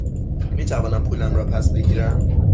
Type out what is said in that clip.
می توانم پولم را پس بگیرم؟